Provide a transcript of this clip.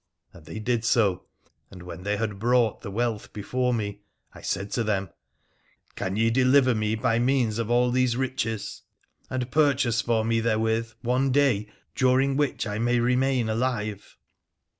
And they did so ; and wher they had brought the wealth before me, I said to them, Can ye deliver me by means of all these riches, and purchase for me there with one day during which I may remain alive